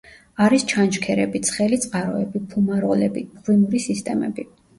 არის ჩანჩქერები, ცხელი წყაროები, ფუმაროლები, მღვიმური სისტემები.